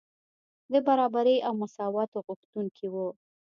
د برابرۍ او مساواتو غوښتونکي وو.